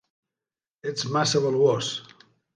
Ets massa valuós!